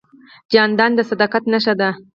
جانداد د صداقت نښه ده.